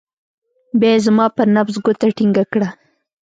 بيا يې زما پر نبض گوته ټينګه کړه.